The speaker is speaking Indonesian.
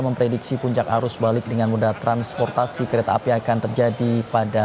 memprediksi puncak arus balik dengan moda transportasi kereta api akan terjadi pada